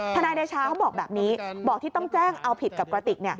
นายเดชาเขาบอกแบบนี้บอกที่ต้องแจ้งเอาผิดกับกระติก